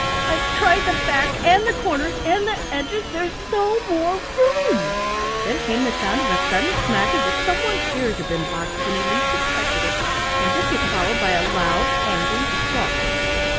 "I've tried the back and the corners and the edges there's no more room " Then came the sound of a sudden smack, as if some one's ears had been boxed when he least expected it, and this was followed by a loud angry squawk.